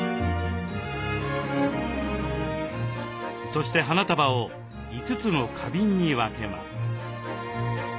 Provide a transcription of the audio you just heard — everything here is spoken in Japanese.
そして花束を５つの花瓶に分けます。